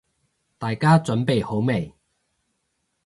大家準備好未？